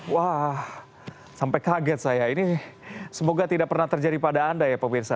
wah sampai kaget saya ini semoga tidak pernah terjadi pada anda ya pemirsa